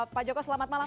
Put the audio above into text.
pak joko selamat malam